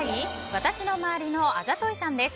私の周りのあざといさんです。